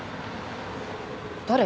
誰？